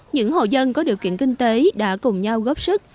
những hộ dân có điều kiện kinh tế đã cùng nhau góp sức